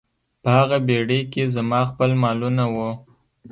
په هغه بیړۍ کې زما خپل مالونه وو.